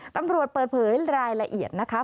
ตำรวจเปิดเผยรายละเอียดนะคะ